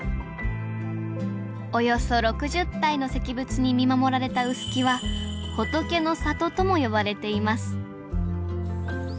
およそ６０体の石仏に見守られた臼杵は「仏の里」とも呼ばれています